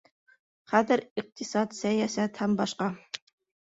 Хәҙер иҡтисад, сәйәсәт һәм башҡа